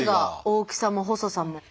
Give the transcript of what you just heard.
大きさも細さも。